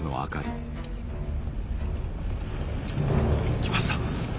来ました。